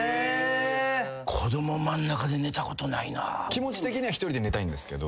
気持ち的には一人で寝たいんですけど。